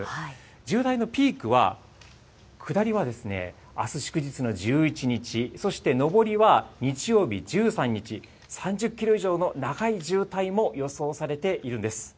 渋滞のピークは、下りはあす祝日の１１日、そして上りは日曜日１３日、３０キロ以上の長い渋滞も予想されているんです。